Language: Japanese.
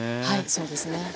はいそうですね。